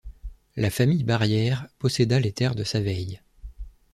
La famille Barrière posséda les terres de Saveilles.